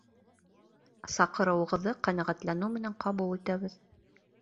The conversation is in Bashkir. Саҡырыуығыҙҙы ҡәнәғәтләнеү менән ҡабул итәбеҙ.